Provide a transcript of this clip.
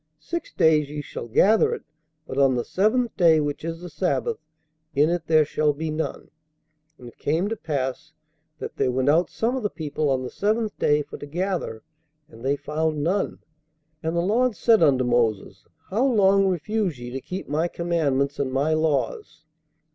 Six days ye shall gather it; but on the seventh day, which is the sabbath, in it there shall be none. And it came to pass, that there went out some of the people on the seventh day for to gather, and they found none. And the Lord said unto Moses, How long refuse ye to keep my commandments and my laws?